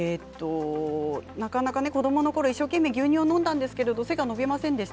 なかなか子どものころ一生懸命牛乳を飲んだんですが背が伸びませんでした。